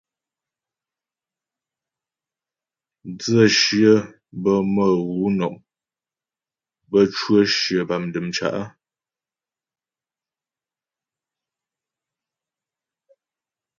Dzə̌shyə bə́ mə̌ wǔ nɔm, bə́ cwə shyə bâ dəm cǎ'.